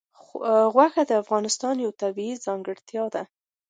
غوښې د افغانستان یوه طبیعي ځانګړتیا ده.